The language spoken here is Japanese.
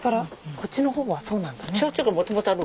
こっちのほうはそうなんだね。